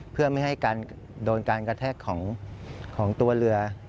เพื่อไม่ให้การโดนการกระแทกของตัวเรือ